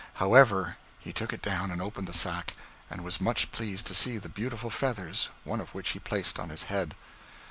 However, he took it down and opened the sack, and was much pleased to see the beautiful feathers, one of which he placed on his head.